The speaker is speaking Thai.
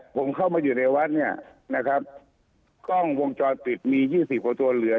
ผมเข้ามาอยู่ในวัดเนี่ยนะครับกล้องวงจรปิดมียี่สิบกว่าตัวเหลือ